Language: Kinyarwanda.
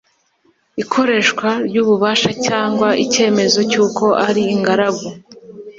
ikoreshwa ry ububasha cyangwa icyemezo cy uko ari ingaragu